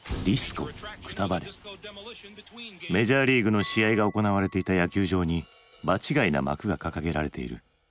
メジャーリーグの試合が行われていた野球場に場違いな幕が掲げられている。